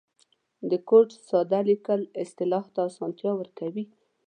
د کوډ ساده لیکل اصلاح ته آسانتیا ورکوي.